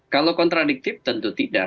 kalau kontradiktif tentu tidak